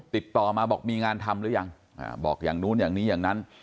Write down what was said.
ติดต่อมาบอกมีงานทำหรือยังบอกอย่างนู้นอย่างนี้อย่างนั้น